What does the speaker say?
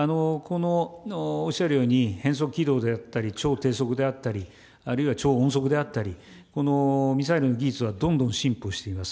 おっしゃるように、変則軌道だったり、超低速であったり、あるいは超音速であったり、このミサイルの技術はどんどん進歩しています。